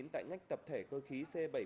tại ngách tập thể cơ khí c bảy mươi